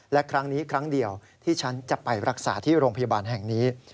และครั้งนี้ครั้งเดียวที่ฉันจะไปรักษาที่โรงพยาบาลแห่งนี้